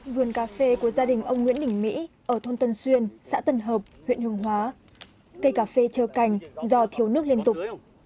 vườn cà phê của gia đình ông nguyễn đình mỹ ở thôn tân xuyên xã tân hợp huyện hương hóa cây cà phê trơ cành do thiếu nước liên tục